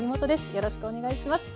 よろしくお願いします。